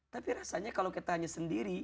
tapi rasanya kalau kita hanya sendiri